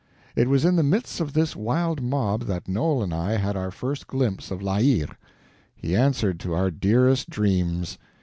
It was in the midst of this wild mob that Noel and I had our first glimpse of La Hire. He answered to our dearest dreams.